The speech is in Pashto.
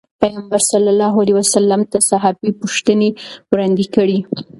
پيغمبر صلي الله علیه وسلم ته صحابي پوښتنې وړاندې کړې.